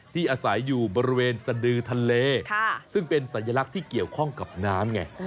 ที่อาศัยอยู่บริเวณสดือทะเลซึ่งเป็นสัญลักษณ์ที่เกี่ยวข้องกับน้ำไง